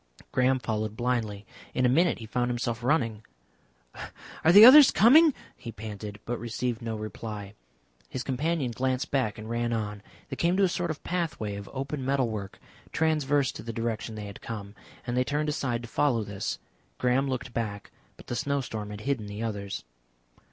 Graham followed blindly. In a minute he found himself running. "Are the others coming?" he panted, but received no reply. His companion glanced back and ran on. They came to a sort of pathway of open metal work, transverse to the direction they had come, and they turned aside to follow this. Graham looked back, but the snowstorm had hidden the others.